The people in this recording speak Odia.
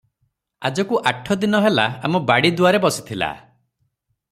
ଆଜକୁ ଆଠ ଦିନ ହେଲା ଆମ ବାଡ଼ି ଦୁଆରେ ବସିଥିଲା ।